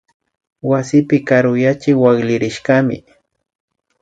Wasipi karuyachik wakllirishkami